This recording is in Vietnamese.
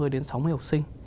bốn mươi đến sáu mươi học sinh